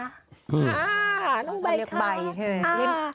อ่าน้องใบคะเขาเรียกใบใช่ไหม